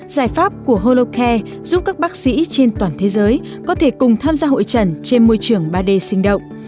giải pháp của holocare giúp các bác sĩ trên toàn thế giới có thể cùng tham gia hội trần trên môi trường ba d sinh động